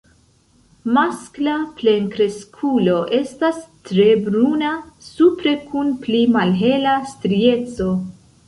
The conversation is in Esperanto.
Maskla plenkreskulo estas tre bruna supre kun pli malhela strieco.